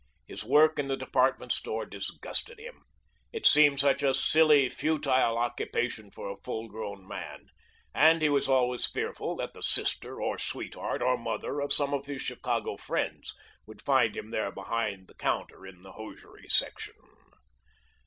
His work in the department store disgusted him. It seemed such a silly, futile occupation for a full grown man, and he was always fearful that the sister or sweetheart or mother of some of his Chicago friends would find him there behind the counter in the hosiery section.